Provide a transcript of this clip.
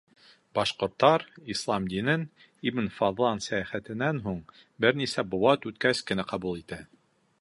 Башҡорттар ислам динен Ибн Фаҙлан сәйәхәтенән һуң бер нисә быуат үткәс кенә ҡабул итә.